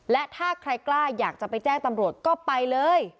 และถ้าใครกล้าอยากจะไปแจ้งตำรวจก็ไปเลย